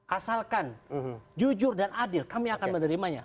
asalkan jujur dan adil kami akan menerimanya